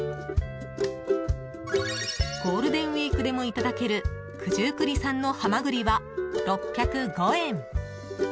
ゴールデンウィークでもいただける九十九里産のハマグリは６０５円。